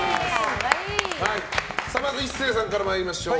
まず壱成さんから参りましょう。